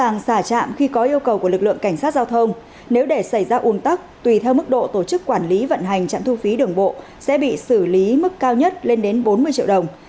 nếu có yêu cầu của lực lượng cảnh sát giao thông nếu để xảy ra un tắc tùy theo mức độ tổ chức quản lý vận hành trạm thu phí đường bộ sẽ bị xử lý mức cao nhất lên đến bốn mươi triệu đồng